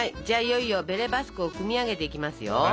じゃあいよいよベレ・バスクを組み上げていきますよ。